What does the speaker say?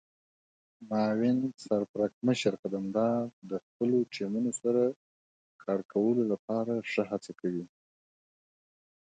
معاون سرپرکمشر قدمدار د خپلو ټیمونو د سره کار کولو لپاره ښه هڅه کوي.